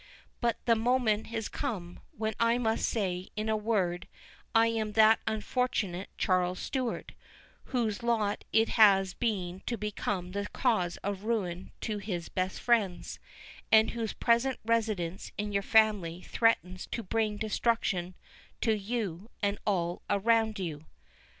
But the moment is come, when I must say, in a word, I am that unfortunate Charles Stewart, whose lot it has been to become the cause of ruin to his best friends, and whose present residence in your family threatens to bring destruction to you, and all around you."